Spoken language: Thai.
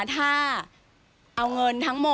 สวัสดีครับ